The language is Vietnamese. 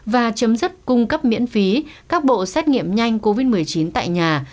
và chấm dứt cung cấp miễn phí các bộ xét nghiệm nhanh covid một mươi chín tại nhà